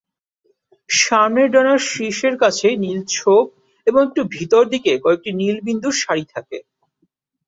সামনের ডানার শীর্ষের কাছে নীল ছোপ এবং একটু ভিতর দিকে কয়েকটি নীল বিন্দুর সারি থাকে।